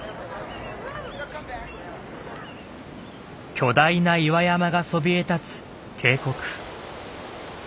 巨大な岩山がそびえ立つ渓谷。